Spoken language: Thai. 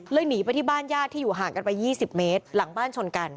หนีไปที่บ้านญาติที่อยู่ห่างกันไป๒๐เมตรหลังบ้านชนกัน